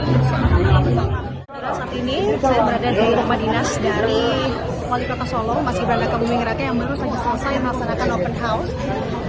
saat ini saya berada di rumah dinas dari wali kota solo mas gibran raka buming raka yang baru saja selesai melaksanakan open house